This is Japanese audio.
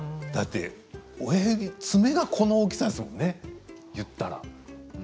親指の爪がこの大きさですからね、言ったら。